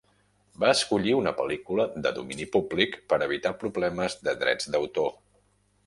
Va escollir una pel·lícula de domini públic per evitar problemes de drets d'autor.